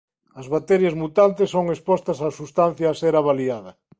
As bacterias mutantes son expostas á substancia a ser avaliada.